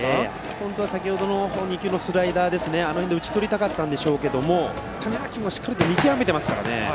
本当は先程のようなスライダーあの辺で打ち取りたかったんでしょうけど谷嵜君も見極めていますからね